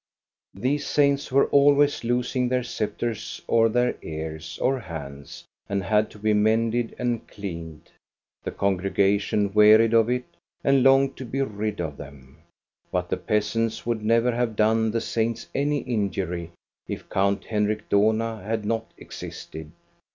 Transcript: These saints were always losing their sceptres or 332 THE STORY OF GOSTA BE RUNG. their ears or hands and had to be mended and cleaned. The congregation wearied of it, and longed to be rid of them. But the peasants would never have done the saints any injury if Count Henrik Dohna had not existed.